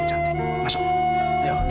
sekarang masuk kamar